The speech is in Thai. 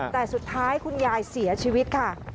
แต่สุดท้ายคุณยายเสียชีวิตค่ะ